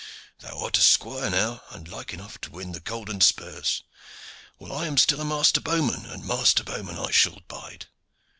"Thou art a squire now, and like enough to win the golden spurs, while I am still the master bowman, and master bowman I shall bide.